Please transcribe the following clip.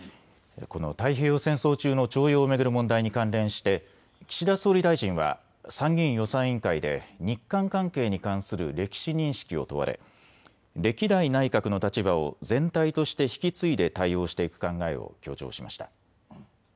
この太平洋戦争中の徴用を巡る問題に関連して岸田総理大臣は参議院予算委員会で日韓関係に関する歴史認識を問われ歴代内閣の立場を全体として引き継いで対応していく考えを強調しました。